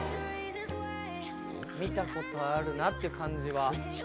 見たことあるなって感じ。